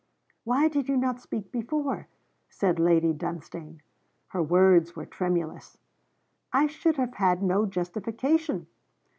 'Why did you not speak before?' said Lady Dunstane. Her words were tremulous. 'I should have had no justification!'